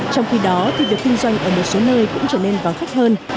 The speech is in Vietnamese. trong khi đó thì việc kinh doanh ở một số nơi cũng trở nên vắng khách hơn